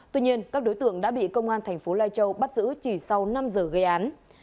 tuy nhiên các đối tượng đã bị công an thành phố lai châu bắt giữ chỉ sau năm giờ gây án